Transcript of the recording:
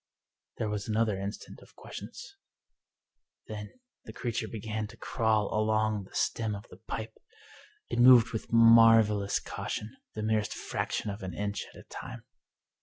There was another in stant of quiescence. Then the creature began to crawl along the stem of the pipe ! It moved with marvelous cau tion, the merest fraction of an inch at a time.